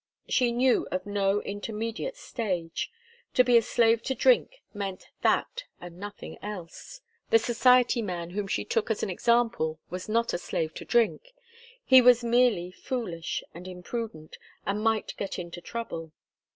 She knew of no intermediate stage. To be a slave to drink meant that and nothing else. The society man whom she took as an example was not a slave to drink; he was merely foolish and imprudent, and might get into trouble.